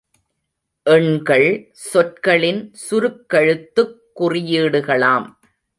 எண்கள் சொற்களின் சுருக் கெழுத்துக் குறியீடுகளாம்.